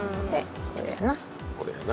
・これやな。